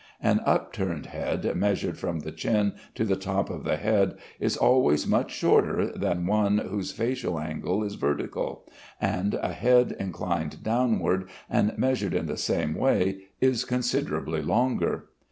An upturned head measured from the chin to the top of the head is always much shorter than one whose facial angle is vertical, and a head inclined downward and measured in the same way is considerably longer.